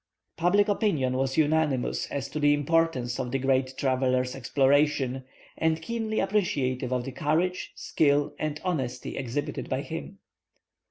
Public opinion was unanimous as to the importance of the great traveller's exploration, and keenly appreciative of the courage, skill, and honesty exhibited by him.